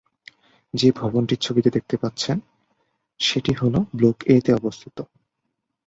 যে ভবনটি ছবিতে দেখতে পাচ্ছেন সেটি হল ব্লক এ তে অবস্থিত।